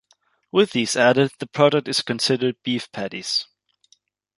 With these added, the product is considered "beef patties".